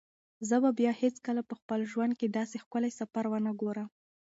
زه به بیا هیڅکله په خپل ژوند کې داسې ښکلی سفر ونه ګورم.